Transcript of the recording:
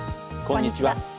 こんにちは。